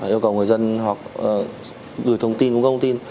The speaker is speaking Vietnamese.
yêu cầu người dân hoặc đuổi thông tin cũng không tin